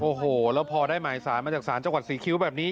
โอ้โหแล้วพอได้หมายสารมาจากศาลจังหวัดศรีคิ้วแบบนี้